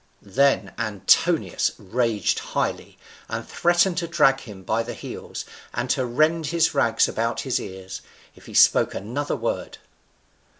Then Antinous raged highly, and threatened to drag him by the heels, and to rend his rags about his ears, if he spoke another word.